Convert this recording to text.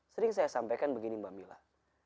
sering saya sampaikan begini mbak mila